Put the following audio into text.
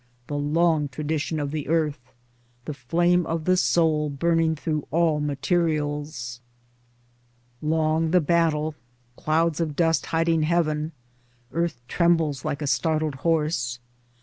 the long tradition of the Earth ! The flame of the Soul, burning through all materials ! Long the battle, clouds of dust hiding heaven. Earth trembles like a startled horse.